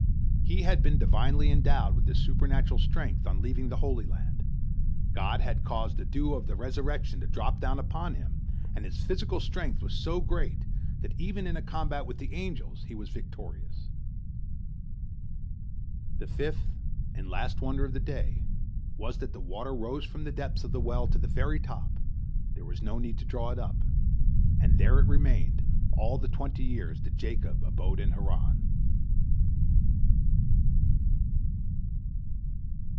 He had been divinely endowed with this supernatural strength on leaving the Holy Land. God had caused the dew of the resurrection to drop down upon him, and his physical strength was so great that even in a combat with the angels he was victorious. The fifth and last wonder of the day was that the water rose from the depths of the well to the very top, there was no need to draw it up, and there it remained all the twenty years that Jacob abode in Haran.